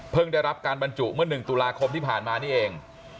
ได้รับการบรรจุเมื่อ๑ตุลาคมที่ผ่านมานี่เอง